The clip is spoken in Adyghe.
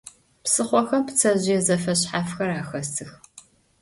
Psıxhoxem ptsezjıê zefeşshafxer axesıx.